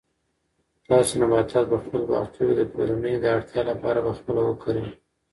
تاسو نباتات په خپلو باغچو کې د کورنۍ د اړتیا لپاره په خپله وکرئ.